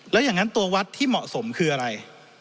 แล้วอย่างนั้นตัววัดที่เหมาะสมคืออะไร